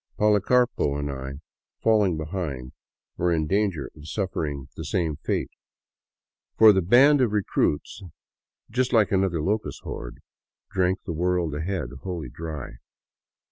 Poli carpo and I, falling behind, were in danger of suffering the same fate ; 71 VAGABONDING DOWN THE ANDES for the band of recruits, like another locust horde, drank the world ahead wholly dry.